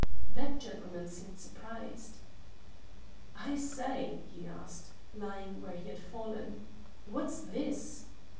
That gentleman seemed surprised. "I say," he asked, lying where he had fallen, "what's this?"